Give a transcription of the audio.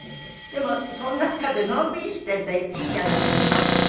でもその中でのんびりしてていいじゃないですか。